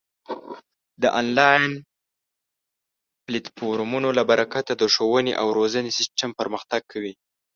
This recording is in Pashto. د آنلاین پلتفورمونو له برکته د ښوونې او روزنې سیستم پرمختګ کوي.